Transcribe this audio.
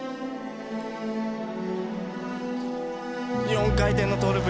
４回転のトウループ。